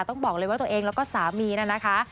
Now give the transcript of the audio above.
ต้องบอกเลยว่าตัวเองแล้วก็สามีนะคะ